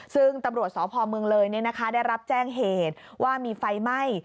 ซึ่งตำรวจสพเมืองเลยได้รับแจ้งเหตุว่ามีไฟไหม้